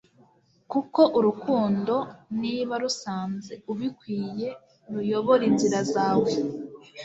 kuko urukundo, niba rusanze ubikwiye, ruyobora inzira yawe.”